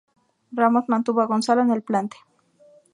Ramos mantuvo a Gonzalo en el plante.